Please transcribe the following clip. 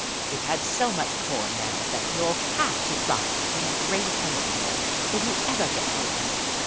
You 've had so much corn now that you '11 have to ride in a grain elevator if you ever get home."